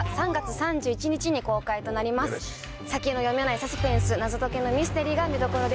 先の読めないサスペンス謎解きのミステリーが見どころです。